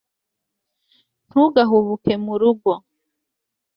ntugahubuke mu rugo